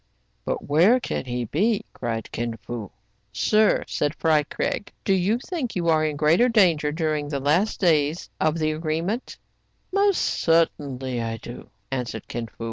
" But where can he be }" cried Kin Fo. "Sir," said Fry Craig, "do you think you are in greater danger during the last days of the agreement }" "Most certainly I do," answered Kin Fo.